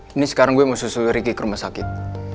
ini sekarang gue mau susul riki ke rumah sakit